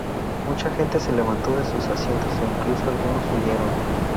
Mucha gente se levantó de sus asientos e incluso algunos huyeron.